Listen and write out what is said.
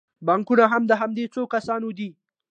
بانکونه هم د همدې یو څو کسانو دي